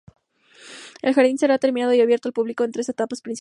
El jardín será terminado y abierto al público en tres etapas principales.